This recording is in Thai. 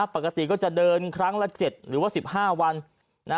ปกติก็จะเดินครั้งละ๗หรือว่า๑๕วัน